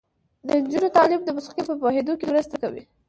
د نجونو تعلیم د موسیقۍ په پوهیدو کې مرسته کوي.